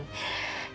jadi emang sekarang ya